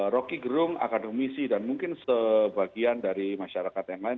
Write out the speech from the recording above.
rocky gerung akademi misi dan mungkin sebagian dari masyarakat yang lain